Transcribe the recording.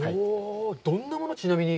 どんなもの、ちなみに。